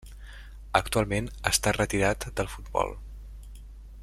Actualment està retirat del futbol.